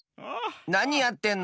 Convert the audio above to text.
なにやってんの？